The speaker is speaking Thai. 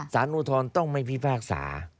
สานุทรต้องไม่พิภาษา